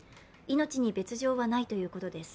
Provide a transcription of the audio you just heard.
命に別状はないということですす。